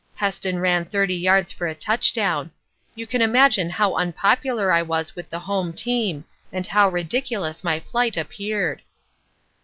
Heston ran thirty yards for a touchdown. You can imagine how unpopular I was with the home team, and how ridiculous my plight appeared.